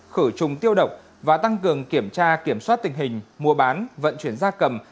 khử trùng tiêu độc và tăng cường kiểm tra kiểm soát tình hình mua bán vận chuyển gia cầm